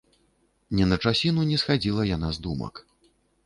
Ні на часіну не схадзіла яна з думак.